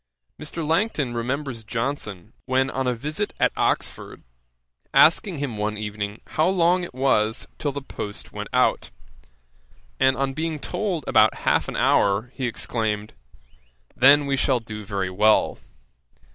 Mr. Langton remembers Johnson, when on a visit at Oxford, asking him one evening how long it was till the post went out; and on being told about half an hour, he exclaimed, 'then we shall do very well.'